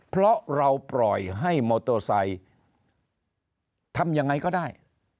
เพราะเราปล่อยให้มอเตอร์ไซค์ทำยังไงก็ได้